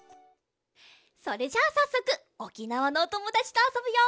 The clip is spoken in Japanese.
それじゃあさっそくおきなわのおともだちとあそぶよ！